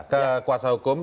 ke kuasa hukum